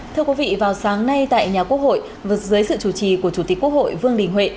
thưa quý vị vào sáng nay tại nhà quốc hội vượt dưới sự chủ trì của chủ tịch quốc hội vương đình huệ